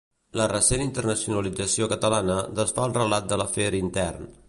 La recent internacionalització catalana desfà el relat de l'afer intern.